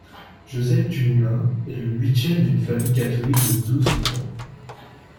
Jozef Dumoulin est le huitième d'une famille catholique de douze enfants.